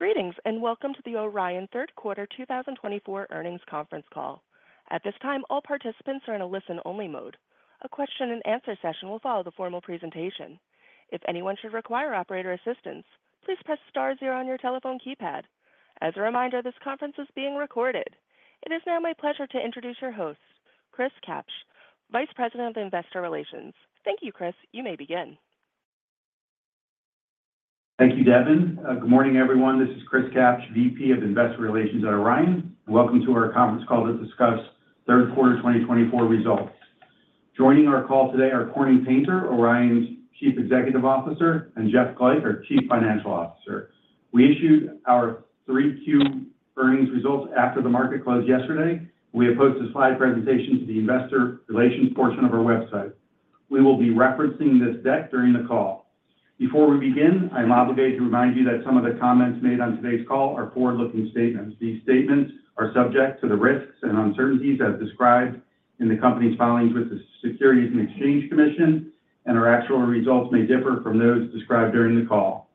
Greetings and welcome to the Orion third quarter 2024 earnings conference call. At this time, all participants are in a listen-only mode. A question-and-answer session will follow the formal presentation. If anyone should require operator assistance, please press star zero on your telephone keypad. As a reminder, this conference is being recorded. It is now my pleasure to introduce your host, Chris Kapsch, Vice President of Investor Relations. Thank you, Chris. You may begin. Thank you, Devon. Good morning, everyone. This is Chris Kapsch, VP of Investor Relations at Orion. Welcome to our conference call to discuss third quarter 2024 results. Joining our call today are Corning Painter, Orion's Chief Executive Officer, and Jeff Glajch, our Chief Financial Officer. We issued our 3Q earnings results after the market closed yesterday. We have posted slide presentations to the investor relations portion of our website. We will be referencing this deck during the call. Before we begin, I'm obligated to remind you that some of the comments made on today's call are forward-looking statements. These statements are subject to the risks and uncertainties as described in the company's filings with the Securities and Exchange Commission, and our actual results may differ from those described during the call.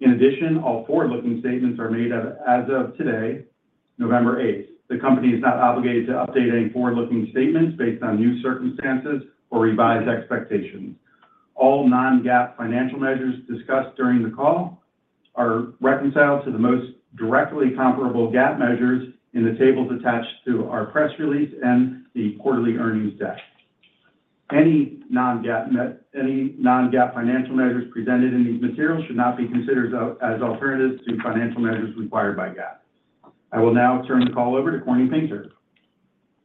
In addition, all forward-looking statements are made as of today, November 8th. The company is not obligated to update any forward-looking statements based on new circumstances or revised expectations. All non-GAAP financial measures discussed during the call are reconciled to the most directly comparable GAAP measures in the tables attached to our press release and the quarterly earnings deck. Any non-GAAP financial measures presented in these materials should not be considered as alternatives to financial measures required by GAAP. I will now turn the call over to Corning Painter.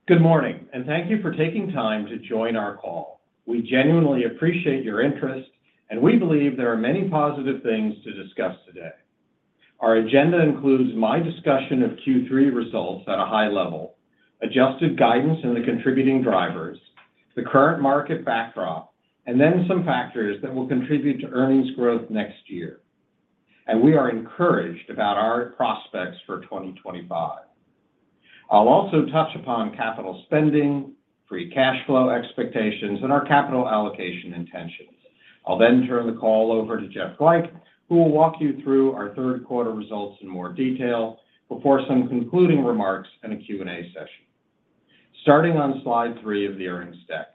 Good morning, and thank you for taking time to join our call. We genuinely appreciate your interest, and we believe there are many positive things to discuss today. Our agenda includes my discussion of Q3 results at a high level, adjusted guidance and the contributing drivers, the current market backdrop, and then some factors that will contribute to earnings growth next year. We are encouraged about our prospects for 2025. I'll also touch upon capital spending, free cash flow expectations, and our capital allocation intentions. I'll then turn the call over to Jeff Glajch, who will walk you through our third quarter results in more detail before some concluding remarks and a Q&A session. Starting on slide three of the earnings deck,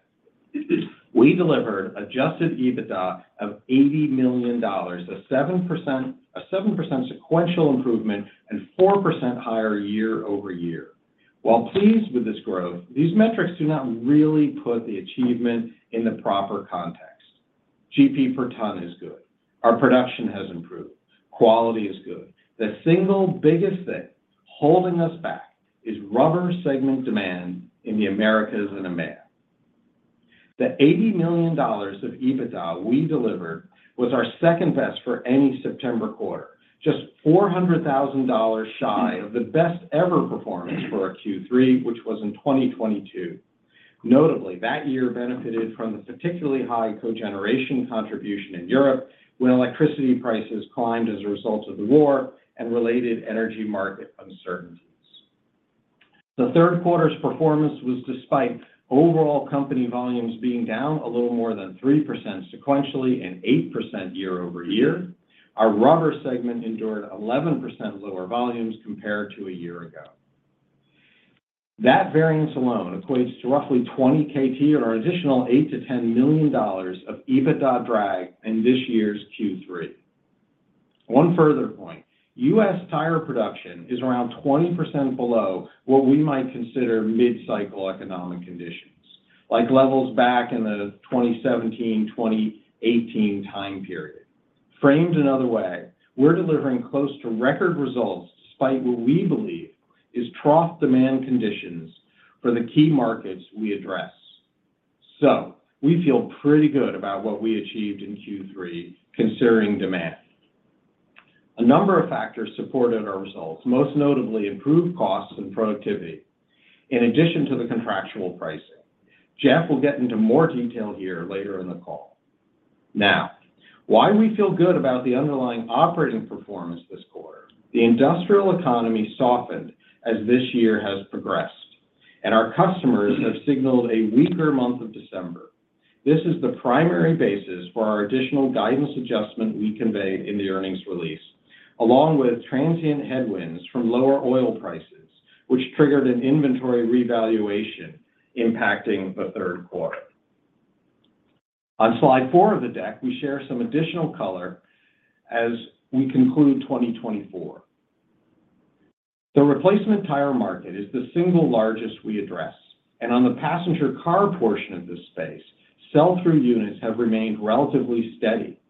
we delivered adjusted EBITDA of $80 million, a 7% sequential improvement, and 4% higher year over year. While pleased with this growth, these metrics do not really put the achievement in the proper context. GP per ton is good. Our production has improved. Quality is good. The single biggest thing holding us back is rubber segment demand in the Americas and EMEA. The $80 million of EBITDA we delivered was our second best for any September quarter, just $400,000 shy of the best-ever performance for a Q3, which was in 2022. Notably, that year benefited from the particularly high cogeneration contribution in Europe when electricity prices climbed as a result of the war and related energy market uncertainties. The third quarter's performance was despite overall company volumes being down a little more than 3% sequentially and 8% year over year. Our rubber segment endured 11% lower volumes compared to a year ago. That variance alone equates to roughly 20 KT or an additional $8 million -$10 million of EBITDA drag in this year's Q3. One further point, U.S. tire production is around 20% below what we might consider mid-cycle economic conditions, like levels back in the 2017-2018 time period. Framed another way, we're delivering close to record results despite what we believe is trough demand conditions for the key markets we address. So we feel pretty good about what we achieved in Q3 considering demand. A number of factors supported our results, most notably improved costs and productivity, in addition to the contractual pricing. Jeff will get into more detail here later in the call. Now, why we feel good about the underlying operating performance this quarter. The industrial economy softened as this year has progressed, and our customers have signaled a weaker month of December. This is the primary basis for our additional guidance adjustment we conveyed in the earnings release, along with transient headwinds from lower oil prices, which triggered an inventory revaluation impacting the third quarter. On slide four of the deck, we share some additional color as we conclude 2024. The replacement tire market is the single largest we address, and on the passenger car portion of this space, sell-through units have remained relatively steady.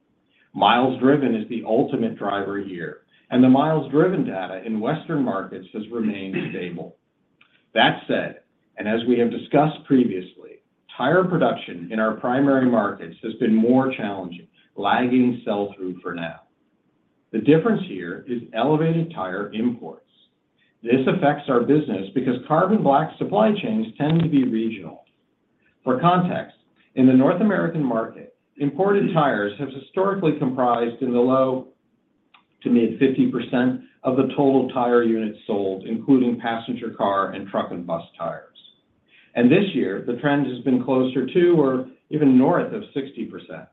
Miles driven is the ultimate driver here, and the miles driven data in Western markets has remained stable. That said, and as we have discussed previously, tire production in our primary markets has been more challenging, lagging sell-through for now. The difference here is elevated tire imports. This affects our business because carbon black supply chains tend to be regional. For context, in the North American market, imported tires have historically comprised in the low to mid 50% of the total tire units sold, including passenger car and truck and bus tires. And this year, the trend has been closer to or even north of 60%.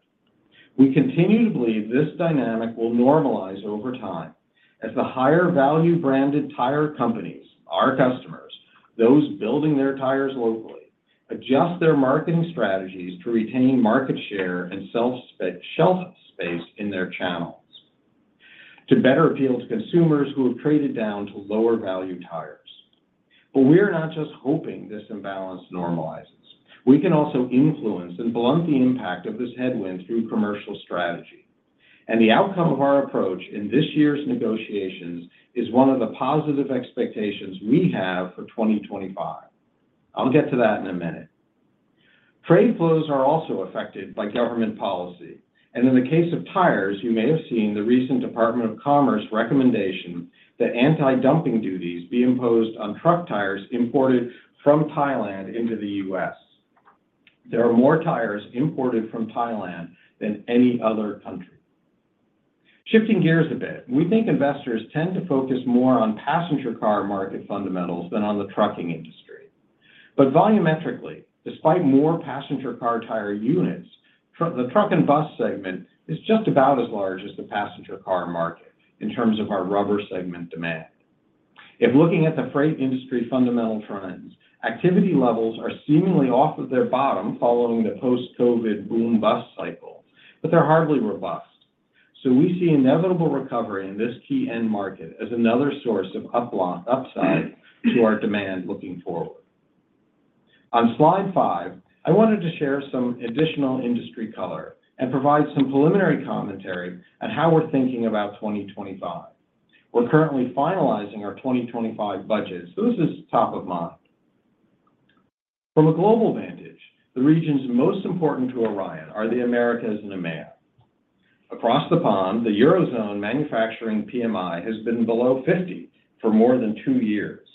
We continue to believe this dynamic will normalize over time as the higher value branded tire companies, our customers, those building their tires locally, adjust their marketing strategies to retain market share and shelf space in their channels to better appeal to consumers who have traded down to lower value tires. But we are not just hoping this imbalance normalizes. We can also influence and blunt the impact of this headwind through commercial strategy. And the outcome of our approach in this year's negotiations is one of the positive expectations we have for 2025. I'll get to that in a minute. Trade flows are also affected by government policy, and in the case of tires, you may have seen the recent Department of Commerce recommendation that anti-dumping duties be imposed on truck tires imported from Thailand into the U.S. There are more tires imported from Thailand than any other country. Shifting gears a bit, we think investors tend to focus more on passenger car market fundamentals than on the trucking industry, but volumetrically, despite more passenger car tire units, the truck and bus segment is just about as large as the passenger car market in terms of our rubber segment demand. If looking at the freight industry fundamental trends, activity levels are seemingly off of their bottom following the post-COVID boom-bust cycle, but they're hardly robust, so we see inevitable recovery in this key end market as another source of upside to our demand looking forward. On slide five, I wanted to share some additional industry color and provide some preliminary commentary on how we're thinking about 2025. We're currently finalizing our 2025 budget, so this is top of mind. From a global vantage, the regions most important to Orion are the Americas and EMEA. Across the pond, the Eurozone manufacturing PMI has been below 50 for more than two years.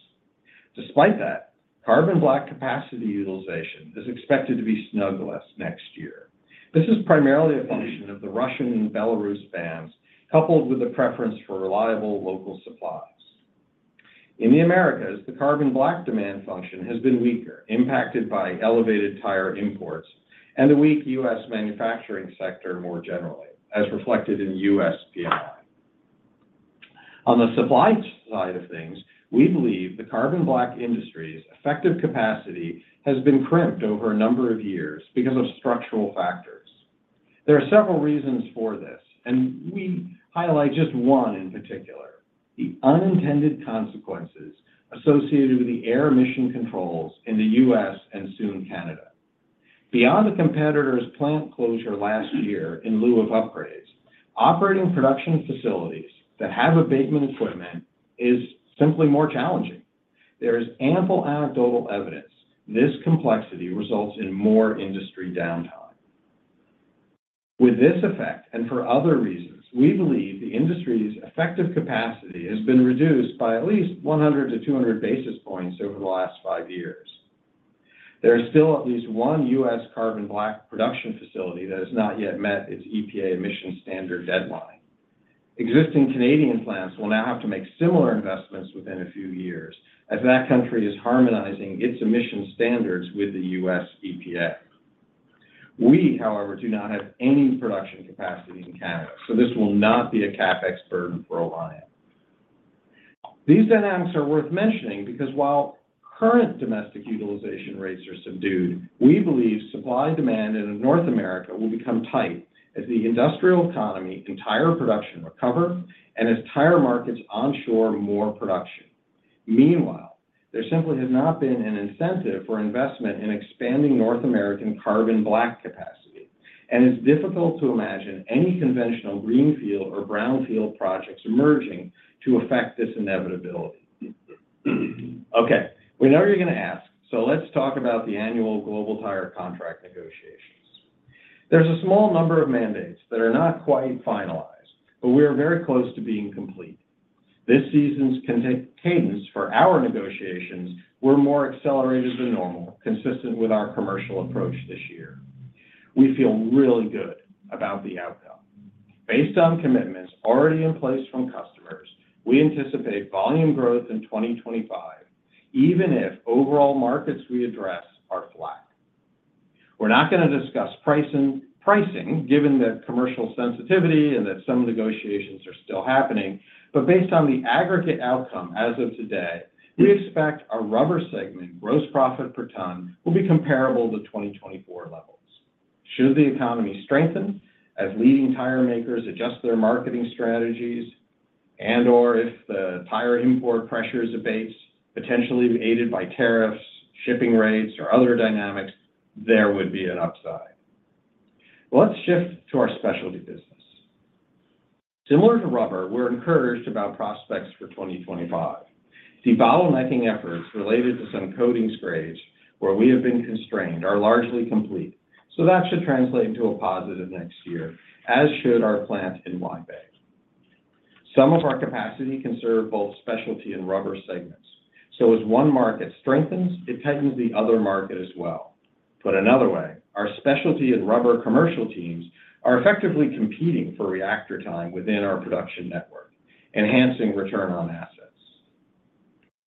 Despite that, carbon black capacity utilization is expected to be snug next year. This is primarily a function of the Russian and Belarus bans, coupled with the preference for reliable local supplies. In the Americas, the carbon black demand function has been weaker, impacted by elevated tire imports and the weak U.S. manufacturing sector more generally, as reflected in U.S. PMI. On the supply side of things, we believe the carbon black industry's effective capacity has been crimped over a number of years because of structural factors. There are several reasons for this, and we highlight just one in particular, the unintended consequences associated with the air emission controls in the U.S. and soon Canada. Beyond the competitor's plant closure last year in lieu of upgrades, operating production facilities that have abatement equipment is simply more challenging. There is ample anecdotal evidence this complexity results in more industry downtime. With this effect and for other reasons, we believe the industry's effective capacity has been reduced by at least 100-200 basis points over the last five years. There is still at least one U.S. carbon black production facility that has not yet met its EPA emission standard deadline. Existing Canadian plants will now have to make similar investments within a few years as that country is harmonizing its emission standards with the U.S. EPA. We, however, do not have any production capacity in Canada, so this will not be a CapEx burden for Orion. These dynamics are worth mentioning because while current domestic utilization rates are subdued, we believe supply demand in North America will become tight as the industrial economy and tire production recover and as tire markets onshore more production. Meanwhile, there simply has not been an incentive for investment in expanding North American carbon black capacity, and it's difficult to imagine any conventional greenfield or brownfield projects emerging to affect this inevitability. Okay, we know you're going to ask, so let's talk about the annual global tire contract negotiations. There's a small number of mandates that are not quite finalized, but we are very close to being complete. This season's cadence for our negotiations were more accelerated than normal, consistent with our commercial approach this year. We feel really good about the outcome. Based on commitments already in place from customers, we anticipate volume growth in 2025, even if overall markets we address are flat. We're not going to discuss pricing, given the commercial sensitivity and that some negotiations are still happening, but based on the aggregate outcome as of today, we expect our rubber segment gross profit per ton will be comparable to 2024 levels. Should the economy strengthen as leading tire makers adjust their marketing strategies and/or if the tire import pressures abate, potentially aided by tariffs, shipping rates, or other dynamics, there would be an upside. Let's shift to our specialty business. Similar to rubber, we're encouraged about prospects for 2025. The debottlenecking efforts related to some coatings grades where we have been constrained are largely complete, so that should translate into a positive next year, as should our plant in Huaibei. Some of our capacity can serve both specialty and rubber segments. So as one market strengthens, it tightens the other market as well. Put another way, our specialty and rubber commercial teams are effectively competing for reactor time within our production network, enhancing return on assets.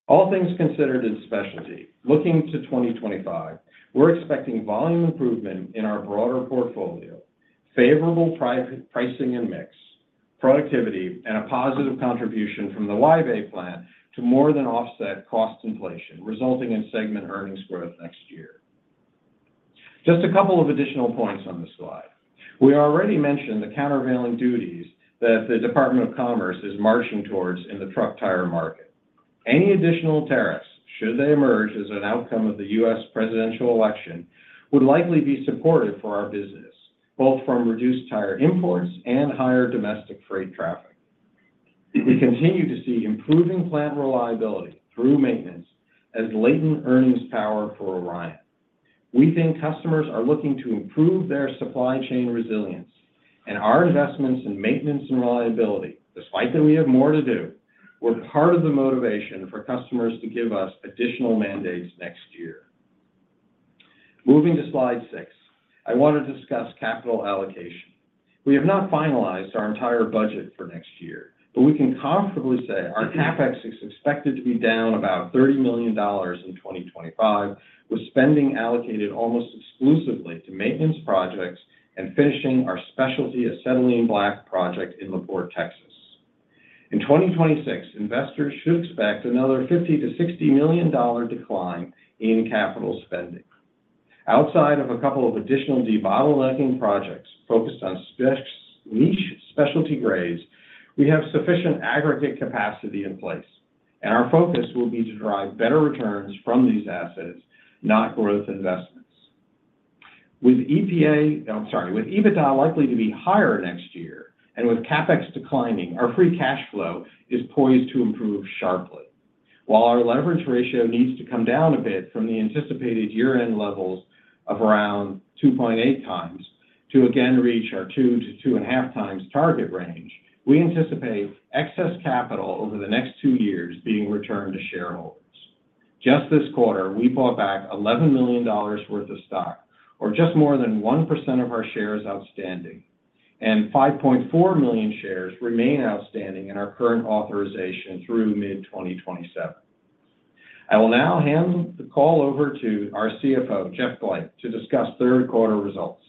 All things considered in specialty, looking to 2025, we're expecting volume improvement in our broader portfolio, favorable pricing and mix, productivity, and a positive contribution from the Huaibei plant to more than offset cost inflation, resulting in segment earnings growth next year. Just a couple of additional points on the slide. We already mentioned the countervailing duties that the Department of Commerce is marching towards in the truck tire market. Any additional tariffs, should they emerge as an outcome of the U.S. presidential election, would likely be supportive for our business, both from reduced tire imports and higher domestic freight traffic. We continue to see improving plant reliability through maintenance as latent earnings power for Orion. We think customers are looking to improve their supply chain resilience, and our investments in maintenance and reliability, despite that we have more to do, were part of the motivation for customers to give us additional mandates next year. Moving to slide six, I want to discuss capital allocation. We have not finalized our entire budget for next year, but we can comfortably say our CapEx is expected to be down about $30 million in 2025, with spending allocated almost exclusively to maintenance projects and finishing our specialty acetylene black project in La Porte, Texas. In 2026, investors should expect another $50 million -$60 million decline in capital spending. Outside of a couple of additional debottlenecking projects focused on niche specialty grades, we have sufficient aggregate capacity in place, and our focus will be to drive better returns from these assets, not growth investments. With EPA, I'm sorry, with EBITDA likely to be higher next year, and with CapEx declining, our free cash flow is poised to improve sharply. While our leverage ratio needs to come down a bit from the anticipated year-end levels of around 2.8 times to again reach our 2 to 2.5 times target range, we anticipate excess capital over the next two years being returned to shareholders. Just this quarter, we bought back $11 million worth of stock, or just more than 1% of our shares outstanding, and 5.4 million shares remain outstanding in our current authorization through mid-2027. I will now hand the call over to our CFO, Jeff Glajch, to discuss third quarter results.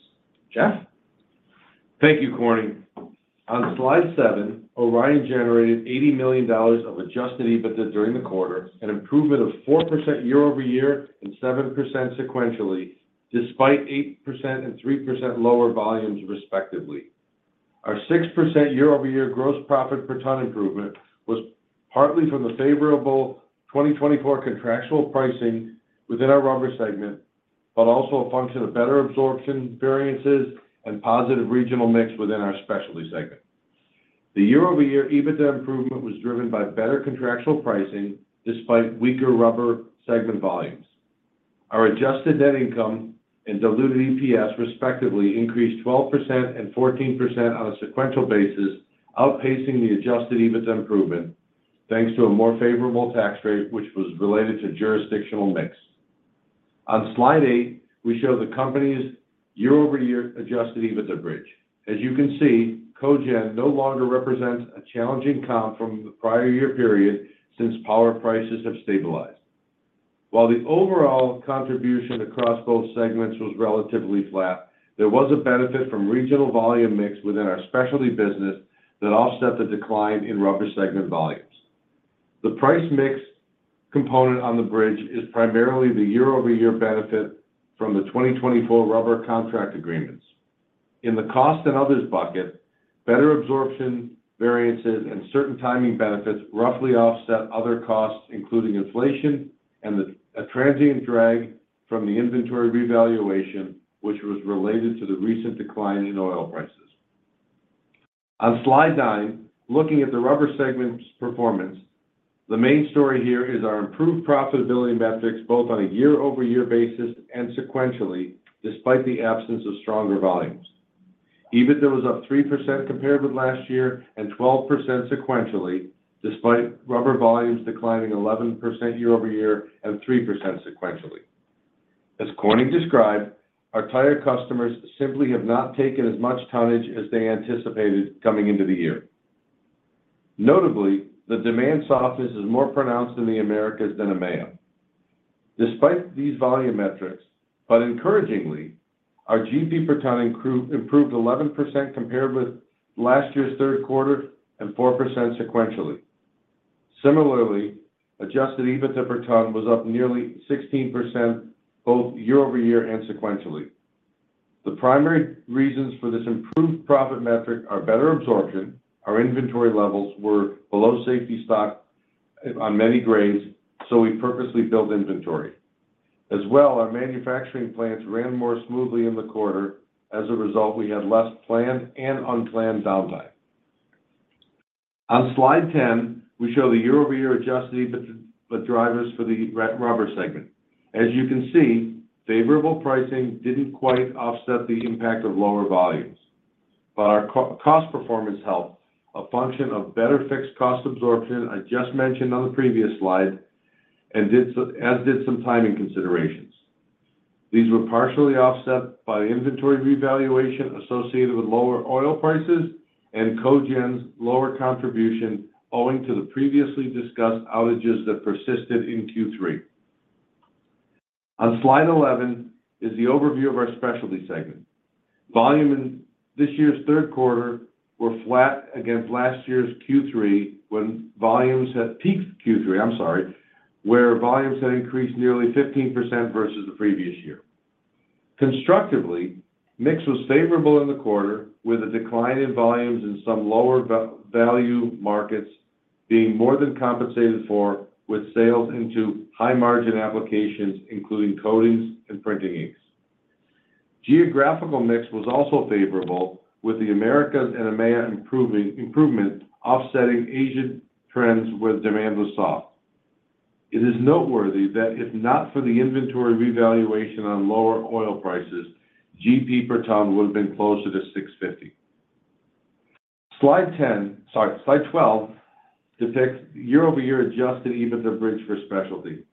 Jeff? Thank you, Corning. On slide seven, Orion generated $80 million of Adjusted EBITDA during the quarter, an improvement of 4% year-over-year and 7% sequentially, despite 8% and 3% lower volumes, respectively. Our 6% year-over-year gross profit per ton improvement was partly from the favorable 2024 contractual pricing within our rubber segment, but also a function of better absorption variances and positive regional mix within our specialty segment. The year-over-year EBITDA improvement was driven by better contractual pricing despite weaker rubber segment volumes. Our adjusted net income and diluted EPS, respectively, increased 12% and 14% on a sequential basis, outpacing the adjusted EBITDA improvement, thanks to a more favorable tax rate, which was related to jurisdictional mix. On slide eight, we show the company's year-over-year adjusted EBITDA bridge. As you can see, Cogen no longer represents a challenging comp from the prior year period since power prices have stabilized. While the overall contribution across both segments was relatively flat, there was a benefit from regional volume mix within our specialty business that offset the decline in rubber segment volumes. The price mix component on the bridge is primarily the year-over-year benefit from the 2024 rubber contract agreements. In the cost and others bucket, better absorption variances and certain timing benefits roughly offset other costs, including inflation and a transient drag from the inventory revaluation, which was related to the recent decline in oil prices. On slide nine, looking at the rubber segment's performance, the main story here is our improved profitability metrics both on a year-over-year basis and sequentially, despite the absence of stronger volumes. EBITDA was up 3% compared with last year and 12% sequentially, despite rubber volumes declining 11% year-over-year and 3% sequentially. As Corning described, our tire customers simply have not taken as much tonnage as they anticipated coming into the year. Notably, the demand softness is more pronounced in the Americas than in EMEA. Despite these volume metrics, but encouragingly, our GP per ton improved 11% compared with last year's third quarter and 4% sequentially. Similarly, adjusted EBITDA per ton was up nearly 16% both year-over-year and sequentially. The primary reasons for this improved profit metric are better absorption. Our inventory levels were below safety stock on many grades, so we purposely built inventory. As well, our manufacturing plants ran more smoothly in the quarter. As a result, we had less planned and unplanned downtime. On slide 10, we show the year-over-year adjusted EBITDA drivers for the rubber segment. As you can see, favorable pricing didn't quite offset the impact of lower volumes, but our cost performance helped a function of better fixed cost absorption I just mentioned on the previous slide, as did some timing considerations. These were partially offset by inventory revaluation associated with lower oil prices and Cogen's lower contribution, owing to the previously discussed outages that persisted in Q3. On slide 11 is the overview of our specialty segment. Volume in this year's third quarter was flat against last year's Q3 when volumes had peaked Q3, I'm sorry, where volumes had increased nearly 15% versus the previous year. Constructively, mix was favorable in the quarter, with a decline in volumes in some lower value markets being more than compensated for with sales into high margin applications, including coatings and printing inks. Geographical mix was also favorable, with the Americas and EMEA improvement offsetting Asian trends where demand was soft. It is noteworthy that if not for the inventory revaluation on lower oil prices, GP per ton would have been closer to $650. Slide 10, sorry, slide 12 depicts year-over-year adjusted EBITDA bridge for specialty.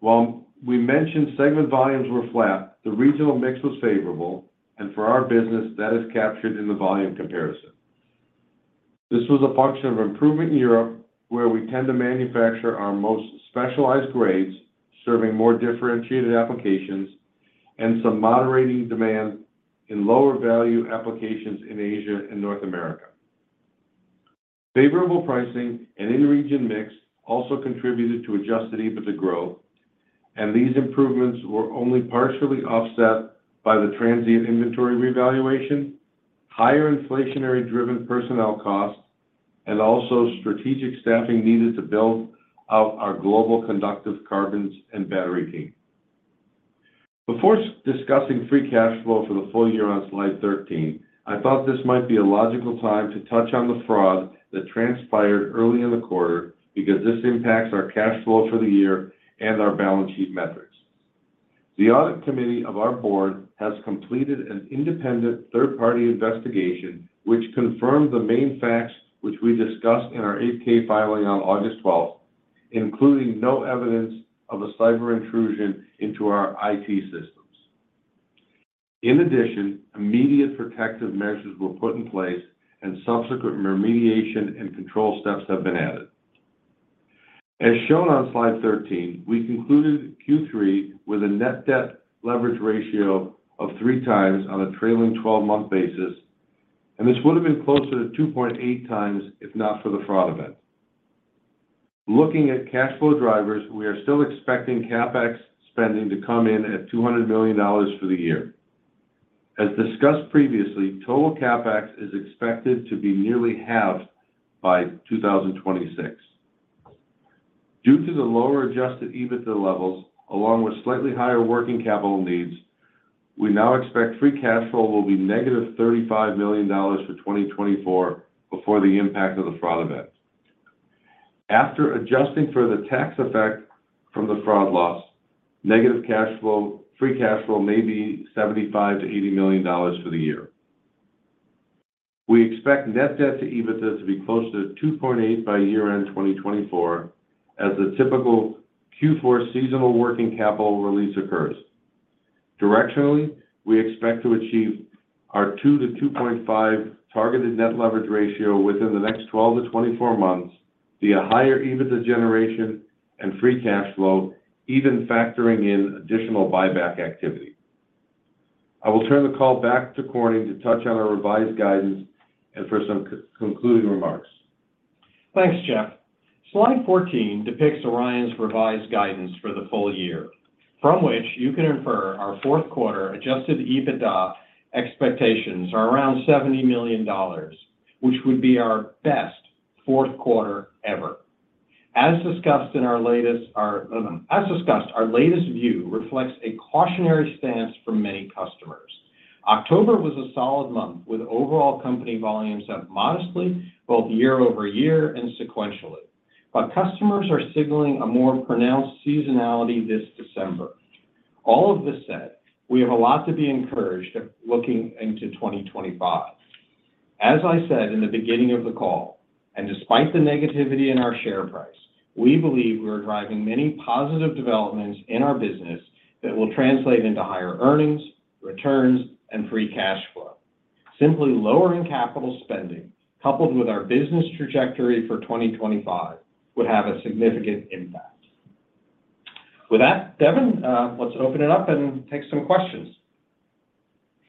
While we mentioned segment volumes were flat, the regional mix was favorable, and for our business, that is captured in the volume comparison. This was a function of improvement in Europe, where we tend to manufacture our most specialized grades, serving more differentiated applications and some moderating demand in lower value applications in Asia and North America. Favorable pricing and in-region mix also contributed to adjusted EBITDA growth, and these improvements were only partially offset by the transient inventory revaluation, higher inflationary-driven personnel costs, and also strategic staffing needed to build out our global conductive carbons and battery team. Before discussing free cash flow for the full year on slide 13, I thought this might be a logical time to touch on the fraud that transpired early in the quarter because this impacts our cash flow for the year and our balance sheet metrics. The audit committee of our board has completed an independent third-party investigation, which confirmed the main facts which we discussed in our 8-K filing on August 12th, including no evidence of a cyber intrusion into our IT systems. In addition, immediate protective measures were put in place, and subsequent remediation and control steps have been added. As shown on slide 13, we concluded Q3 with a net debt leverage ratio of three times on a trailing 12-month basis, and this would have been closer to 2.8 times if not for the fraud event. Looking at cash flow drivers, we are still expecting CapEx spending to come in at $200 million for the year. As discussed previously, total CapEx is expected to be nearly halved by 2026. Due to the lower adjusted EBITDA levels, along with slightly higher working capital needs, we now expect free cash flow will be negative $35 million for 2024 before the impact of the fraud event. After adjusting for the tax effect from the fraud loss, negative cash flow, free cash flow may be $75 million - $80 million for the year. We expect net debt to EBITDA to be closer to 2.8 by year-end 2024, as the typical Q4 seasonal working capital release occurs. Directionally, we expect to achieve our 2-2.5 targeted net leverage ratio within the next 12 to 24 months via higher EBITDA generation and free cash flow, even factoring in additional buyback activity. I will turn the call back to Corning to touch on our revised guidance and for some concluding remarks. Thanks, Jeff. Slide 14 depicts Orion's revised guidance for the full year, from which you can infer our fourth quarter Adjusted EBITDA expectations are around $70 million, which would be our best fourth quarter ever. As discussed in our latest view, reflects a cautionary stance from many customers. October was a solid month with overall company volumes that modestly, both year-over-year and sequentially, but customers are signaling a more pronounced seasonality this December. All of this said, we have a lot to be encouraged looking into 2025. As I said in the beginning of the call, and despite the negativity in our share price, we believe we are driving many positive developments in our business that will translate into higher earnings, returns, and free cash flow. Simply lowering capital spending, coupled with our business trajectory for 2025, would have a significant impact. With that, Devin, let's open it up and take some questions.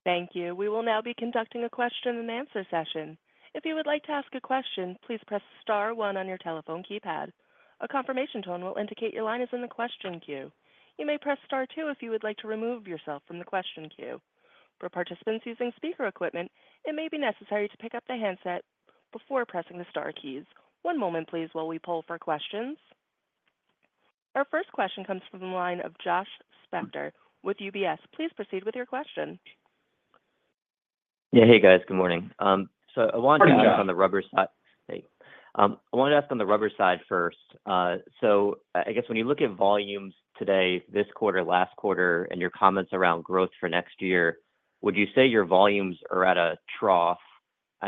Thank you. We will now be conducting a question-and-answer session. If you would like to ask a question, please press star one on your telephone keypad. A confirmation tone will indicate your line is in the question queue. You may press star two if you would like to remove yourself from the question queue. For participants using speaker equipment, it may be necessary to pick up the handset before pressing the star keys. One moment, please, while we pull for questions. Our first question comes from the line of Josh Spector with UBS. Please proceed with your question. Yeah. Hey, guys. Good morning. So I wanted to ask on the rubber side. Hey. I wanted to ask on the rubber side first. So I guess when you look at volumes today, this quarter, last quarter, and your comments around growth for next year, would you say your volumes are at a trough,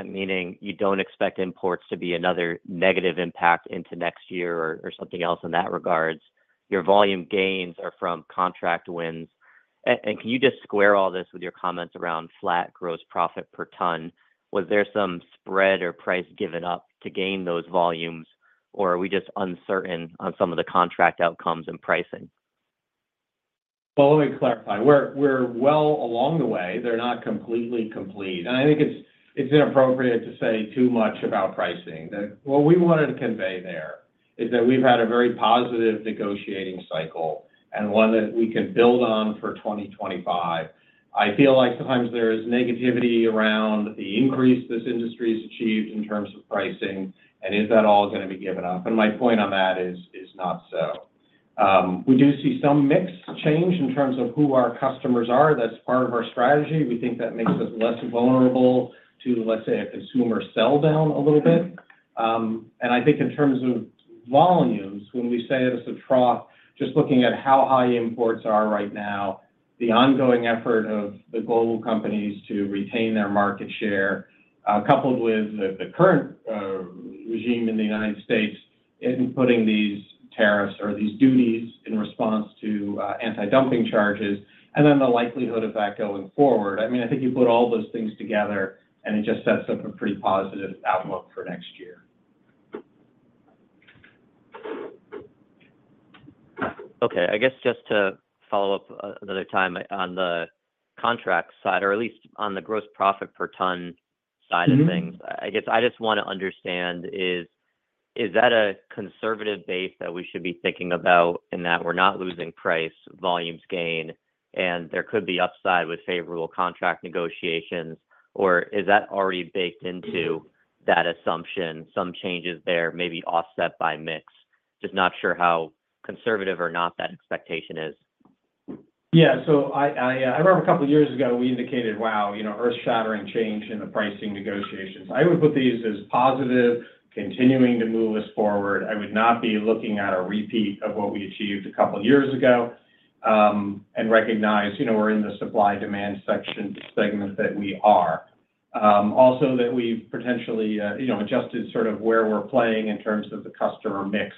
meaning you don't expect imports to be another negative impact into next year or something else in that regard? Your volume gains are from contract wins. And can you just square all this with your comments around flat gross profit per ton? Was there some spread or price given up to gain those volumes, or are we just uncertain on some of the contract outcomes and pricing? Well, let me clarify. We're well along the way. They're not completely complete. And I think it's inappropriate to say too much about pricing. What we wanted to convey there is that we've had a very positive negotiating cycle and one that we can build on for 2025. I feel like sometimes there is negativity around the increase this industry has achieved in terms of pricing, and is that all going to be given up, and my point on that is not so. We do see some mix change in terms of who our customers are. That's part of our strategy. We think that makes us less vulnerable to, let's say, a consumer sell down a little bit, and I think in terms of volumes, when we say it's a trough, just looking at how high imports are right now, the ongoing effort of the global companies to retain their market share, coupled with the current regime in the United States and putting these tariffs or these duties in response to anti-dumping charges, and then the likelihood of that going forward. I mean, I think you put all those things together, and it just sets up a pretty positive outlook for next year. Okay. I guess just to follow up another time on the contract side, or at least on the gross profit per ton side of things, I guess I just want to understand, is that a conservative base that we should be thinking about in that we're not losing price, volumes gain, and there could be upside with favorable contract negotiations, or is that already baked into that assumption, some changes there, maybe offset by mix? Just not sure how conservative or not that expectation is. Yeah. So I remember a couple of years ago, we indicated, no earth-shattering change in the pricing negotiations. I would put these as positive, continuing to move us forward. I would not be looking at a repeat of what we achieved a couple of years ago and recognize we're in the supply-demand segment that we are. Also, that we've potentially adjusted sort of where we're playing in terms of the customer mix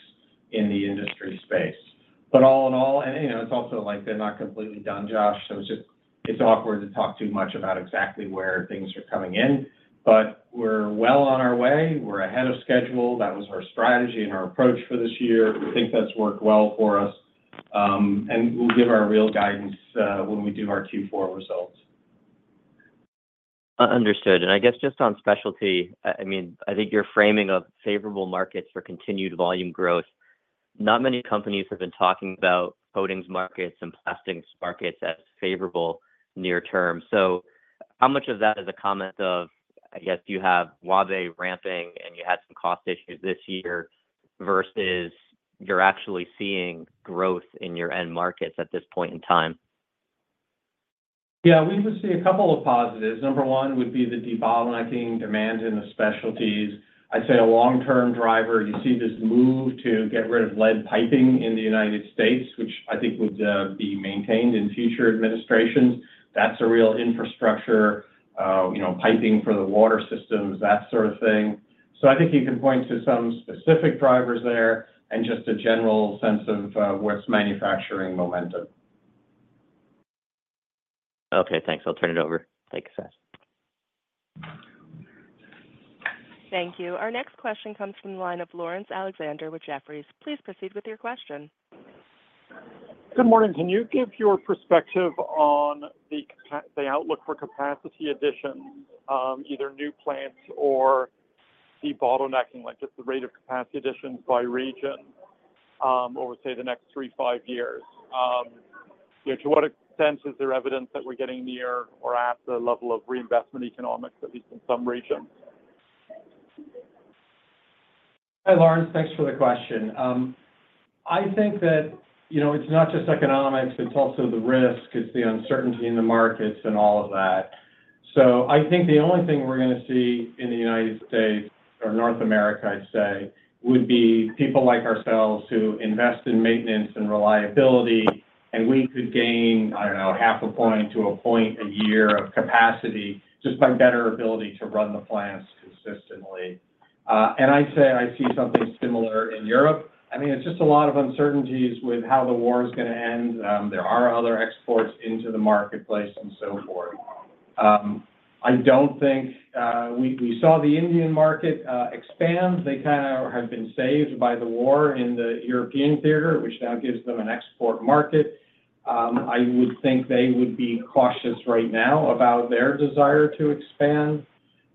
in the industry space. But all in all, and it's also like they're not completely done, Josh, so it's awkward to talk too much about exactly where things are coming in, but we're well on our way. We're ahead of schedule. That was our strategy and our approach for this year. We think that's worked well for us, and we'll give our real guidance when we do our Q4 results. Understood. And I guess just on specialty, I mean, I think your framing of favorable markets for continued volume growth, not many companies have been talking about coatings markets and plastics markets as favorable near term. So how much of that is a comment of, I guess, you have Huaibei ramping and you had some cost issues this year versus you're actually seeing growth in your end markets at this point in time? Yeah. We can see a couple of positives. Number one would be the debottlenecking demand in the specialties. I'd say a long-term driver, you see this move to get rid of lead piping in the United States, which I think would be maintained in future administrations. That's a real infrastructure piping for the water systems, that sort of thing. So I think you can point to some specific drivers there and just a general sense of what's manufacturing momentum. Okay. Thanks. I'll turn it over. Thanks, Seth. Thank you. Our next question comes from the line of Laurence Alexander with Jefferies. Please proceed with your question. Good morning. Can you give your perspective on the outlook for capacity additions, either new plants or the debottlenecking, just the rate of capacity additions by region over, say, the next three, five years? To what extent is there evidence that we're getting near or at the level of reinvestment economics, at least in some regions? Hi, Laurence. Thanks for the question. I think that it's not just economics, it's also the risk, it's the uncertainty in the markets and all of that. So I think the only thing we're going to see in the United States or North America, I'd say, would be people like ourselves who invest in maintenance and reliability, and we could gain, I don't know, half a point to a point a year of capacity just by better ability to run the plants consistently. And I'd say I see something similar in Europe. I mean, it's just a lot of uncertainties with how the war is going to end. There are other exports into the marketplace and so forth. I don't think we saw the Indian market expand. They kind of have been saved by the war in the European theater, which now gives them an export market. I would think they would be cautious right now about their desire to expand.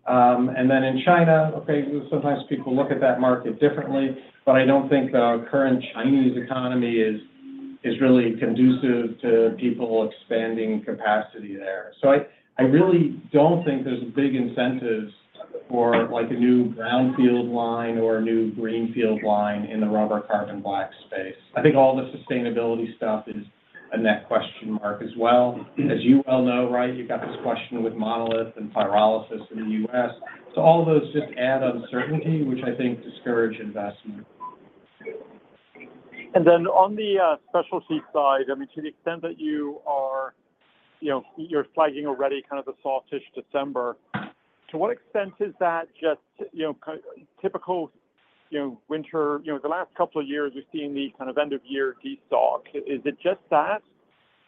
And then in China, okay, sometimes people look at that market differently, but I don't think the current Chinese economy is really conducive to people expanding capacity there. So I really don't think there's a big incentive for a new brownfield line or a new greenfield line in the rubber carbon black space. I think all the sustainability stuff is a net question mark as well. As you well know, right, you've got this question with Monolith and pyrolysis in the U.S. So all of those just add uncertainty, which I think discourage investment. And then on the specialty side, I mean, to the extent that you are flagging already kind of the softish December, to what extent is that just typical winter? The last couple of years, we've seen the kind of end-of-year de-stock. Is it just that,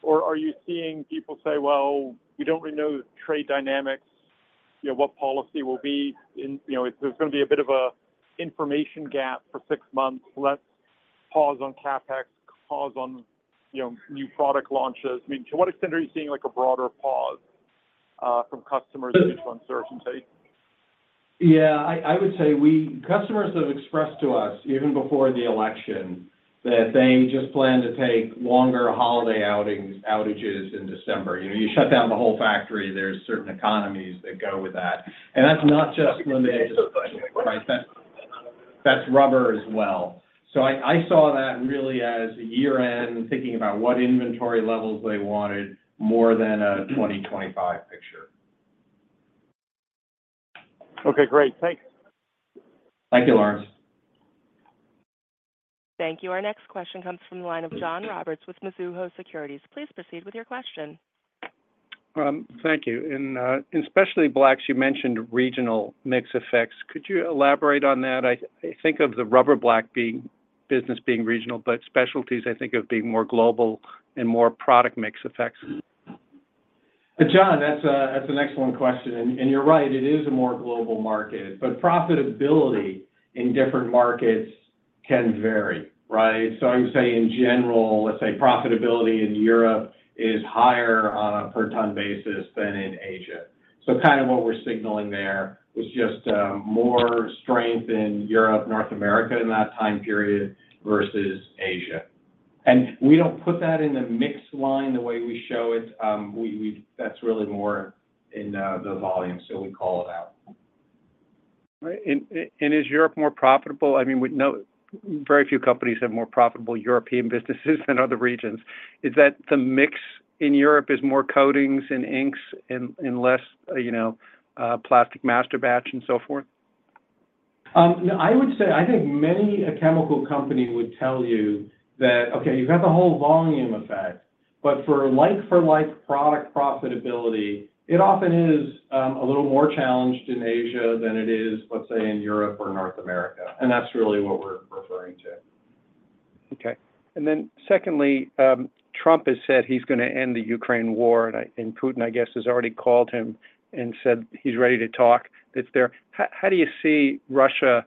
or are you seeing people say, "Well, we don't really know trade dynamics, what policy will be?" If there's going to be a bit of an information gap for six months, let's pause on CapEx, pause on new product launches. I mean, to what extent are you seeing a broader pause from customers due to uncertainty? Yeah. I would say customers have expressed to us, even before the election, that they just plan to take longer holiday outages in December. You shut down the whole factory. There's certain economies that go with that. And that's not just limited to specialty, right? That's rubber as well. So I saw that really as a year-end, thinking about what inventory levels they wanted more than a 2025 picture. Okay. Great. Thanks. Thank you, Laurence. Thank you. Our next question comes from the line of John Roberts with Mizuho Securities. Please proceed with your question. Thank you. In specialty blacks, you mentioned regional mix effects. Could you elaborate on that? I think of the rubber black business being regional, but specialties, I think of being more global and more product mix effects. John, that's an excellent question. And you're right, it is a more global market, but profitability in different markets can vary, right? So I would say, in general, let's say profitability in Europe is higher on a per ton basis than in Asia. So kind of what we're signaling there was just more strength in Europe, North America in that time period versus Asia. And we don't put that in the mix line the way we show it. That's really more in the volume, so we call it out. Right. And is Europe more profitable? I mean, very few companies have more profitable European businesses than other regions. Is that the mix in Europe is more coatings and inks and less plastic masterbatch and so forth? I would say I think many a chemical company would tell you that, okay, you've got the whole volume effect, but for like-for-like product profitability, it often is a little more challenged in Asia than it is, let's say, in Europe or North America. And that's really what we're referring to. Okay. And then secondly, Trump has said he's going to end the Ukraine war, and Putin, I guess, has already called him and said he's ready to talk. How do you see Russia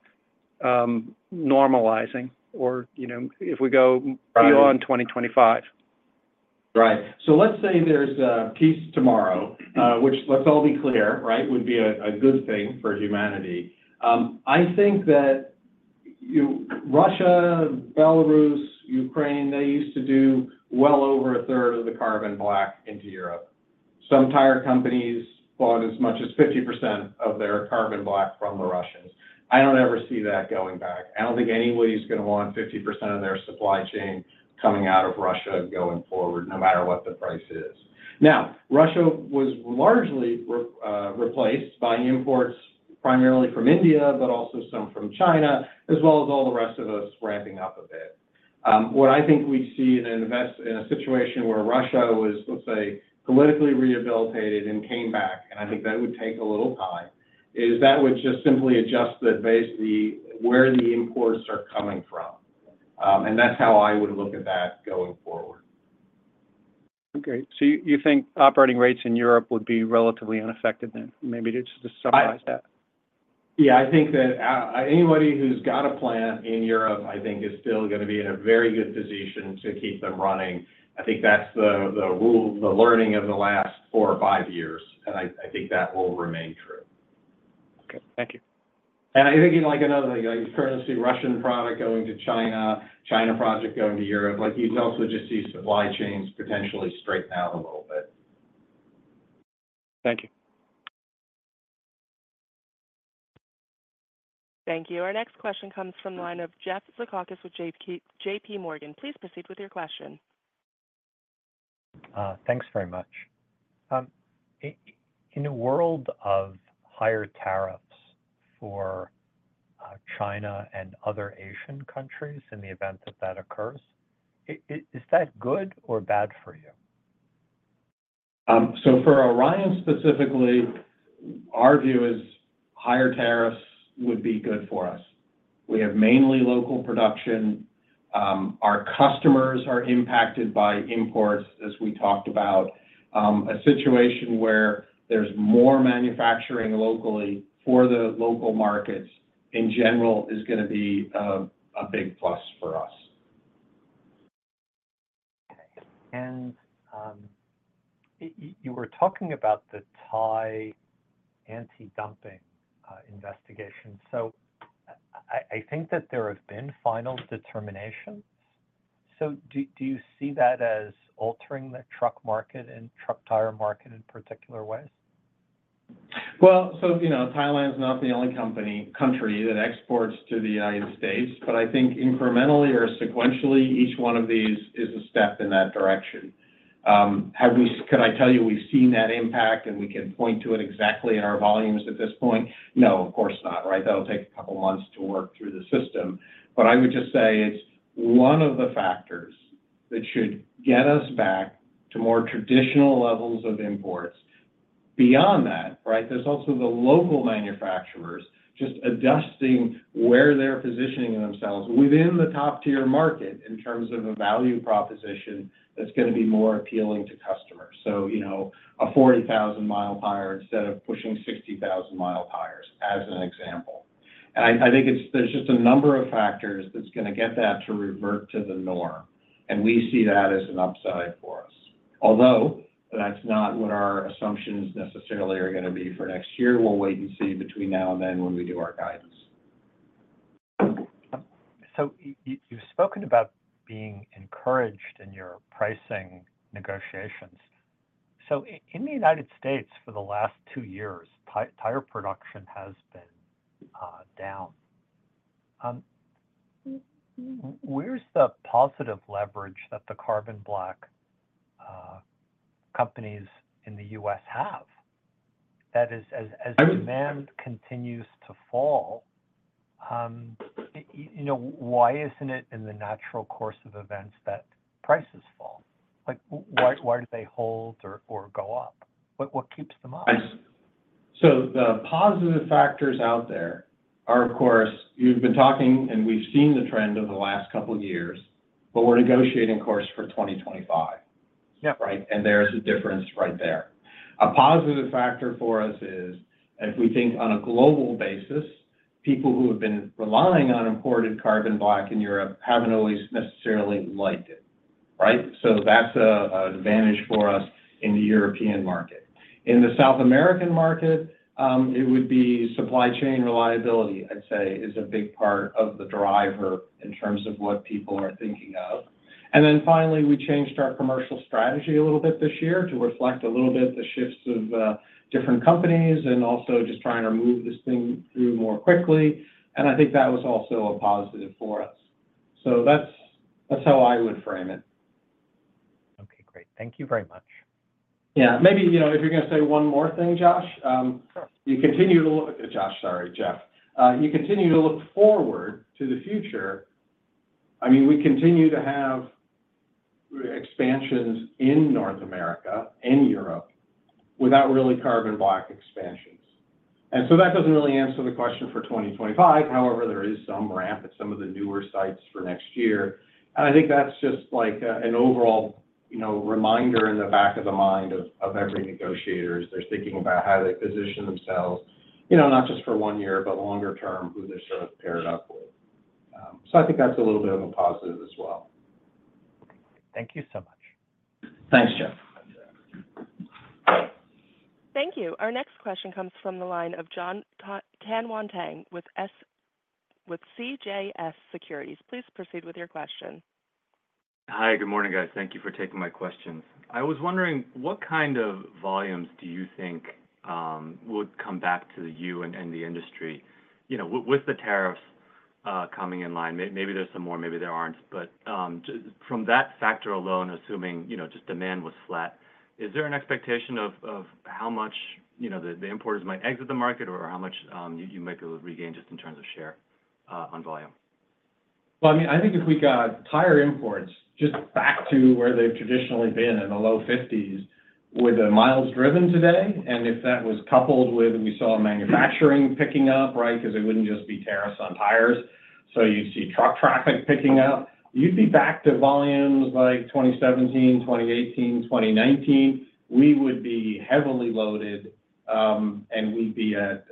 normalizing or if we go beyond 2025? Right. So let's say there's peace tomorrow, which let's all be clear, right, would be a good thing for humanity. I think that Russia, Belarus, Ukraine, they used to do well over a third of the carbon black into Europe. Some tire companies bought as much as 50% of their carbon black from the Russians. I don't ever see that going back. I don't think anybody's going to want 50% of their supply chain coming out of Russia going forward, no matter what the price is. Now, Russia was largely replaced by imports primarily from India, but also some from China, as well as all the rest of us ramping up a bit. What I think we'd see in a situation where Russia was, let's say, politically rehabilitated and came back, and I think that would take a little time, is that would just simply adjust where the imports are coming from. And that's how I would look at that going forward. Okay. So you think operating rates in Europe would be relatively unaffected then? Maybe to summarize that. Yeah. I think that anybody who's got a plant in Europe, I think, is still going to be in a very good position to keep them running. I think that's the learning of the last four or five years, and I think that will remain true. Okay. Thank you. And I think another thing, you're starting to see Russian product going to China, China product going to Europe. You'd also just see supply chains potentially straighten out a little bit. Thank you. Thank you. Our next question comes from the line of Jeffrey Zekauskas with J.P. Morgan. Please proceed with your question. Thanks very much. In a world of higher tariffs for China and other Asian countries in the event that that occurs, is that good or bad for you? So for Orion specifically, our view is higher tariffs would be good for us. We have mainly local production. Our customers are impacted by imports, as we talked about. A situation where there's more manufacturing locally for the local markets in general is going to be a big plus for us, and you were talking about the Thai anti-dumping investigation, so I think that there have been final determinations. So do you see that as altering the truck market and truck tire market in particular ways? Well, so Thailand's not the only country that exports to the United States, but I think incrementally or sequentially, each one of these is a step in that direction. Could I tell you we've seen that impact and we can point to it exactly in our volumes at this point? No, of course not, right? That'll take a couple of months to work through the system. But I would just say it's one of the factors that should get us back to more traditional levels of imports. Beyond that, right, there's also the local manufacturers just adjusting where they're positioning themselves within the top-tier market in terms of a value proposition that's going to be more appealing to customers. So a 40,000-mile tire instead of pushing 60,000-mile tires, as an example. And I think there's just a number of factors that's going to get that to revert to the norm, and we see that as an upside for us. Although that's not what our assumptions necessarily are going to be for next year, we'll wait and see between now and then when we do our guidance. So you've spoken about being encouraged in your pricing negotiations. So in the United States, for the last two years, tire production has been down. Where's the positive leverage that the carbon black companies in the U.S. have? That is, as demand continues to fall, why isn't it in the natural course of events that prices fall? Why do they hold or go up? What keeps them up? So the positive factors out there are, of course, you've been talking and we've seen the trend over the last couple of years, but we're negotiating, of course, for 2025, right? And there's a difference right there. A positive factor for us is, if we think on a global basis, people who have been relying on imported carbon black in Europe haven't always necessarily liked it, right? So that's an advantage for us in the European market. In the South American market, it would be supply chain reliability, I'd say, is a big part of the driver in terms of what people are thinking of. And then finally, we changed our commercial strategy a little bit this year to reflect a little bit the shifts of different companies and also just trying to move this thing through more quickly. And I think that was also a positive for us. So that's how I would frame it. Okay. Great. Thank you very much. Yeah. Maybe if you're going to say one more thing, Josh, you continue to look at Josh, sorry, Jeff. You continue to look forward to the future. I mean, we continue to have expansions in North America and Europe without really carbon black expansions. And so that doesn't really answer the question for 2025. However, there is some ramp at some of the newer sites for next year. And I think that's just an overall reminder in the back of the mind of every negotiator as they're thinking about how they position themselves, not just for one year, but longer term, who they're sort of paired up with. So I think that's a little bit of a positive as well. Thank you so much. Thanks, Jeff. Thank you. Our next question comes from the line of Jon Tanwanteng with CJS Securities. Please proceed with your question. Hi. Good morning, guys. Thank you for taking my questions. I was wondering what kind of volumes do you think would come back to you and the industry with the tariffs coming in line? Maybe there's some more, maybe there aren't. But from that factor alone, assuming just demand was flat, is there an expectation of how much the importers might exit the market or how much you might be able to regain just in terms of share on volume? Well, I mean, I think if we got tire imports just back to where they've traditionally been in the low 50s with the miles driven today, and if that was coupled with we saw manufacturing picking up, right, because it wouldn't just be tariffs on tires. So you'd see truck traffic picking up. You'd be back to volumes like 2017, 2018, 2019. We would be heavily loaded, and we'd be at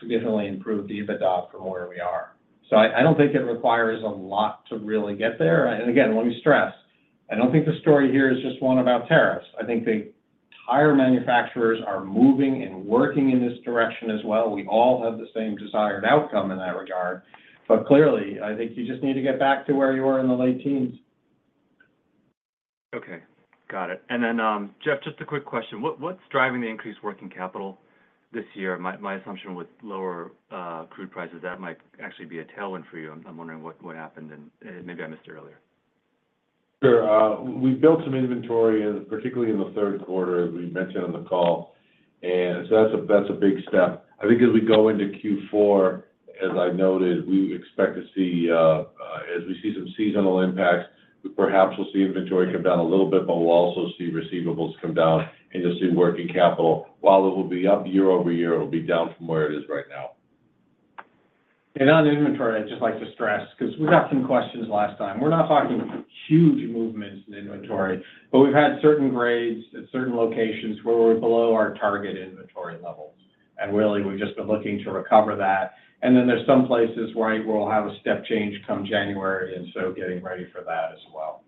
significantly improved EBITDA from where we are. So I don't think it requires a lot to really get there. And again, let me stress, I don't think the story here is just one about tariffs. I think the tire manufacturers are moving and working in this direction as well. We all have the same desired outcome in that regard. But clearly, I think you just need to get back to where you were in the late teens. Okay. Got it. And then, Jeff, just a quick question. What's driving the increased working capital this year? My assumption with lower crude prices, that might actually be a tailwind for you. I'm wondering what happened, and maybe I missed it earlier. Sure. We built some inventory, particularly in the third quarter, as we mentioned on the call. And so that's a big step. I think as we go into Q4, as I noted, we expect to see as we see some seasonal impacts, perhaps we'll see inventory come down a little bit, but we'll also see receivables come down and just see working capital. While it will be up year over year, it'll be down from where it is right now, and on inventory, I'd just like to stress because we got some questions last time. We're not talking huge movements in inventory, but we've had certain grades at certain locations where we're below our target inventory levels. And really, we've just been looking to recover that. And then there's some places where we'll have a step change come January, and so getting ready for that as well.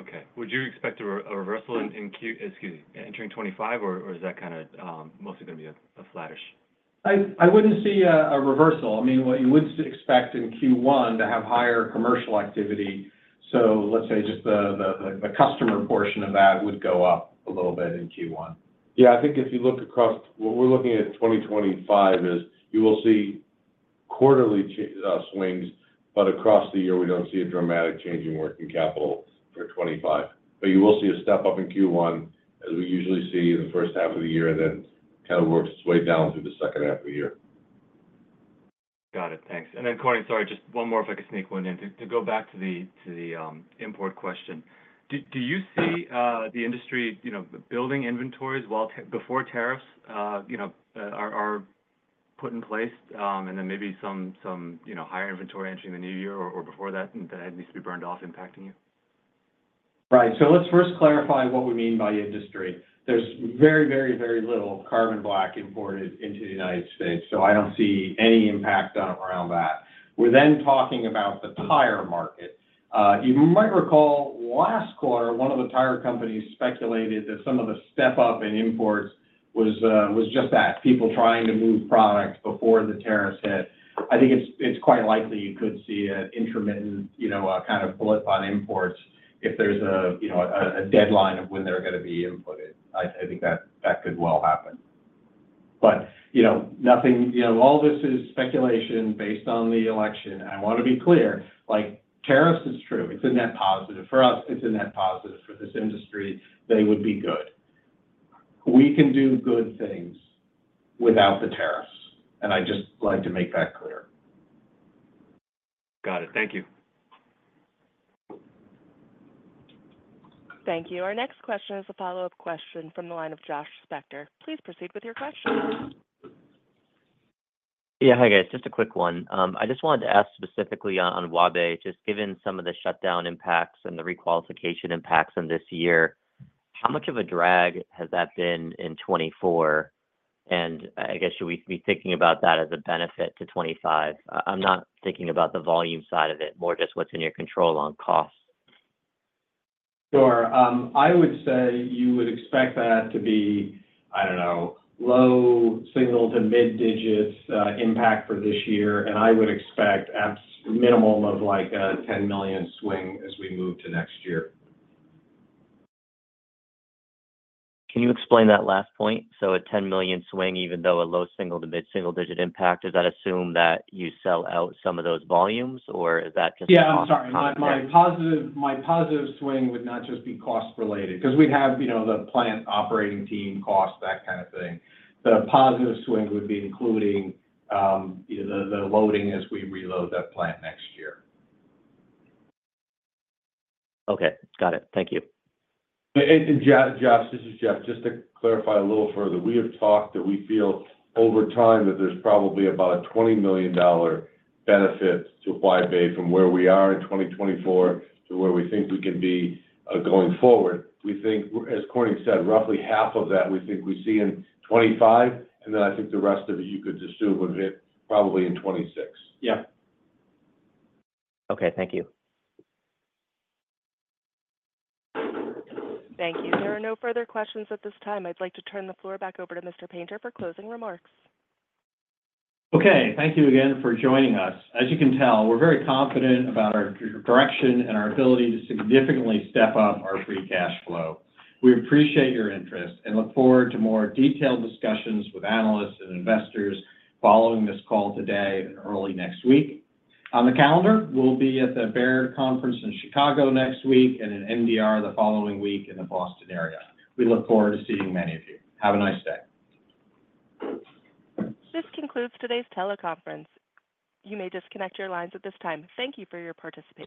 Okay. Would you expect a reversal in Q1, excuse me, entering 2025, or is that kind of mostly going to be a flourish? I wouldn't see a reversal. I mean, what you would expect in Q1 to have higher commercial activity. So let's say just the customer portion of that would go up a little bit in Q1. Yeah. I think if you look across what we're looking at 2025 is you will see quarterly swings, but across the year, we don't see a dramatic change in working capital for 2025. But you will see a step up in Q1 as we usually see in the first half of the year and then kind of works its way down through the second half of the year. Got it. Thanks. And then, Corning, sorry, just one more if I could sneak one in. To go back to the import question, do you see the industry building inventories before tariffs are put in place and then maybe some higher inventory entering the new year or before that, and that needs to be burned off impacting you? Right. So let's first clarify what we mean by industry. There's very, very, very little carbon black imported into the United States, so I don't see any impact around that. We're then talking about the tire market. You might recall last quarter, one of the tire companies speculated that some of the step up in imports was just that, people trying to move product before the tariffs hit. I think it's quite likely you could see an intermittent kind of blip on imports if there's a deadline of when they're going to be inputted. I think that could well happen. But all of this is speculation based on the election. I want to be clear. Tariffs? It's true. It's a net positive. For us, it's a net positive. For this industry, they would be good. We can do good things without the tariffs, and I'd just like to make that clear. Got it. Thank you. Thank you. Our next question is a follow-up question from the line of Josh Spector. Please proceed with your question. Yeah. Hi, guys. Just a quick one. I just wanted to ask specifically on Huaibei, just given some of the shutdown impacts and the requalification impacts in this year, how much of a drag has that been in 2024? And I guess should we be thinking about that as a benefit to 2025? I'm not thinking about the volume side of it, more just what's in your control on costs. Sure. I would say you would expect that to be, I don't know, low single to mid-digits impact for this year. And I would expect minimum of like a $10 million swing as we move to next year. Can you explain that last point? So a $10 million swing, even though a low single- to mid-single-digit impact, does that assume that you sell out some of those volumes, or is that just? Yeah. I'm sorry. My positive swing would not just be cost-related because we'd have the plant operating team cost, that kind of thing. The positive swing would be including the loading as we reload that plant next year. Okay. Got it. Thank you. And Josh, this is Jeff. Just to clarify a little further, we have talked that we feel over time that there's probably about a $20 million benefit to Huaibei from where we are in 2024 to where we think we can be going forward. We think, as Corning said, roughly half of that we think we see in 2025, and then I think the rest of it you could assume would hit probably in 2026. Yeah. Okay. Thank you. Thank you. There are no further questions at this time. I'd like to turn the floor back over to Mr. Painter for closing remarks. Okay. Thank you again for joining us. As you can tell, we're very confident about our direction and our ability to significantly step up our free cash flow. We appreciate your interest and look forward to more detailed discussions with analysts and investors following this call today and early next week. On the calendar, we'll be at the Baird Conference in Chicago next week and in NDR the following week in the Boston area. We look forward to seeing many of you. Have a nice day. This concludes today's teleconference. You may disconnect your lines at this time. Thank you for your participation.